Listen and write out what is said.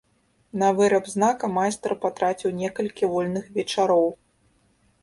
На выраб знака майстар патраціў некалькі вольных вечароў.